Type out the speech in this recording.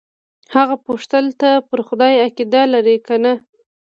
هغه وپوښتل ته پر خدای عقیده لرې که نه.